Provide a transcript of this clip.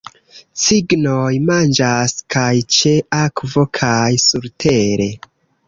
Cignoj manĝas kaj ĉe akvo kaj surtere.